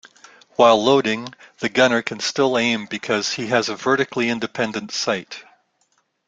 While loading, the gunner can still aim because he has a vertically independent sight.